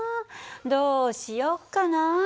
どうしよっかな。